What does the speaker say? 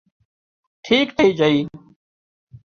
ٺيڪ ٿئي جھئي